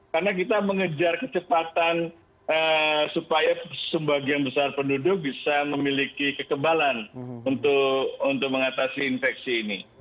karena kita mengejar kecepatan supaya sebagian besar penduduk bisa memiliki kekebalan untuk mengatasi infeksi ini